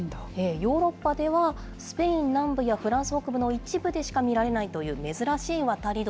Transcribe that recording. ヨーロッパでは、スペイン南部やフランス北部の一部でしか見られないという珍しい渡り鳥。